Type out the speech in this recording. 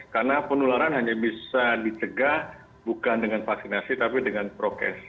karena penularan hanya bisa dicegah bukan dengan vaksinasi tapi dengan prokes